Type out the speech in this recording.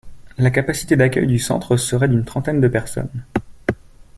La capacité d'accueil du centre serait d'une trentaine de personnes.